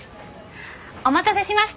お待たせしました。